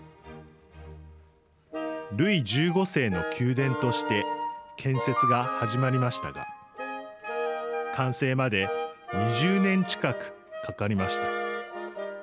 ルイ１５世の宮殿として建設が始まりましたが完成まで２０年近くかかりました。